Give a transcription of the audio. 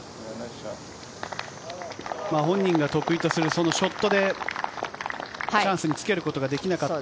本人が得意とするショットでチャンスにつけることができなかった。